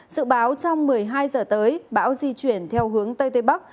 dự báo trong một mươi hai giờ tới bão di chuyển theo hướng tây tây bắc